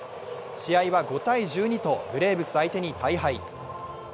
試合は５−１２とブレーブス相手に大敗。